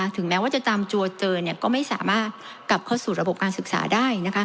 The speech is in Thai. ถึงแม้ว่าจะจำจัวเจอก็ไม่สามารถกลับเข้าสู่ระบบการศึกษาได้